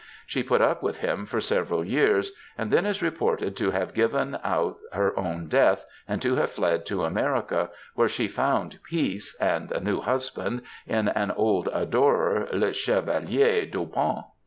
She put up with him for several years, and then is reported to have given out her own death, and to have fled to America, where she found peace and a new husband in an old adorer, le Chevalier d'*Aubant.